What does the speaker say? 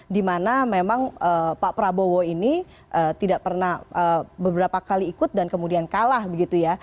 dimana memang pak prabowo ini tidak pernah beberapa kali ikut dan kemudian kalah begitu ya